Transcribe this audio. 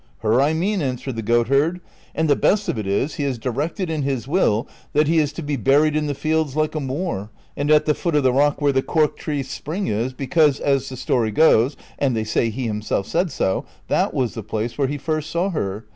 " Her I mean," answered the goatherd ;" and the best of it is, he has directed in his will that he is to be buried in the fields like a Moor, and at the foot of the rock where the Cork tree spring is, because, as the story goes (and they say he himself said so), that was the place where he first saw her.